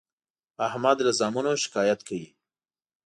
احمد له زامنو شکایت کوي.